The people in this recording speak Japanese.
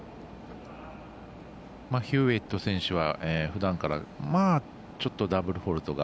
ヒューウェット選手はふだんからちょっとダブルフォールトが